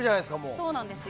そうなんですよ。